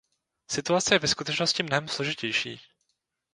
Situace je ve skutečnosti mnohem složitější.